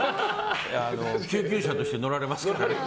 救急車として乗られますから。